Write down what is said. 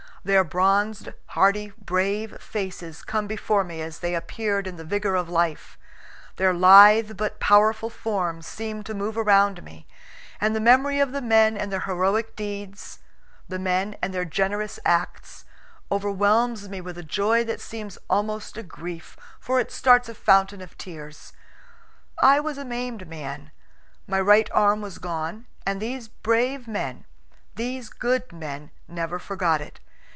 Their bronzed, hardy, brave faces come before me as they appeared in the vigor of life; their lithe but powerful forms seem to move around me; and the memory of the men and their heroic deeds, the men and their generous acts, overwhelms me with a joy that seems almost a grief, for it starts a fountain of tears. I was a maimed man; my right arm was gone; and these brave men, these good men, never forgot it.